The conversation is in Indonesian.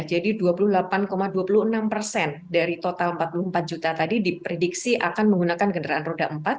jadi dua puluh delapan dua puluh enam persen dari total empat puluh empat juta tadi diprediksi akan menggunakan kendaraan roda empat